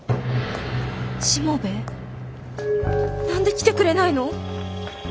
何で来てくれないの？